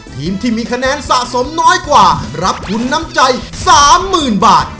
ทีมที่มีคะแนนสะสมน้อยกว่ารับทุนน้ำใจ๓๐๐๐บาท